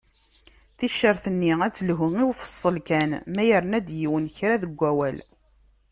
Ticcert-nni ad telhu i ufeṣṣel kan ma yerna-d yiwen kra deg awal.